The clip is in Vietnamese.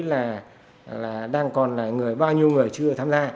là đang còn là người bao nhiêu người chưa tham gia